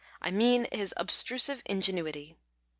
I mean his obtrusive ingenuity.